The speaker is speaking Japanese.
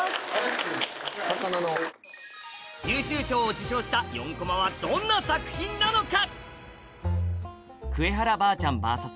優秀賞を受賞した４コマはどんな作品なのか？